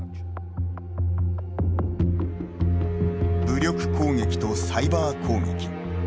武力攻撃とサイバー攻撃。